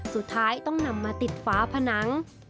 สุดท้ายต้องนำมาติดฝาผนัง